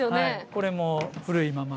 これも古いまま。